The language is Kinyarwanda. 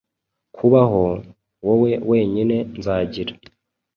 Kubaho, wowe wenyine nzagira